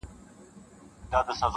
پکښي بندي یې سوې پښې او وزرونه -